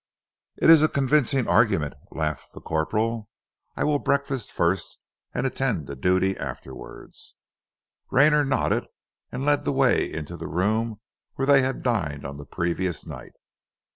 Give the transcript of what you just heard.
"It is a convincing argument," laughed the corporal. "I will breakfast first and attend to duty afterwards." Rayner nodded, and led the way into the room where they had dined on the previous night.